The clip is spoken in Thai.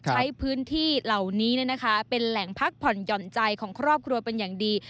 ใช้พื้นที่เหล่านี้เป็นแหล่งพักผ่อนหย่อนใจของครอบครัวเป็นอย่างดี